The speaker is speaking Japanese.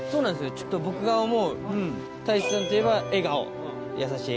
ちょっと僕が思う太一さんといえば笑顔優しい。